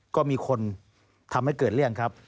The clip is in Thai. ก็มีคนทำให้เกิดเรื่องครับ